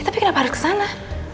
ya tapi kenapa harus ke sana